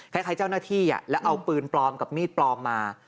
คล้ายเจ้าหน้าที่แล้วเอาปืนปลอมกับมีดปลอมมา